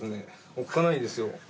おっかないですよ。